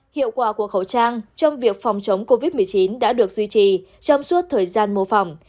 hiệu quả của khẩu trang trong việc phòng chống covid một mươi chín đã được duy trì trong suốt thời gian mô phỏng